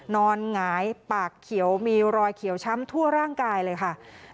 หงายปากเขียวมีรอยเขียวช้ำทั่วร่างกายเลยค่ะ